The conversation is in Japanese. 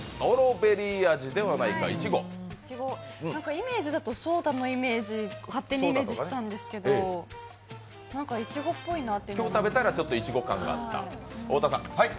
イメージだとソーダのイメージを勝手にイメージしてたんですけどなんか、いちごっぽいなって。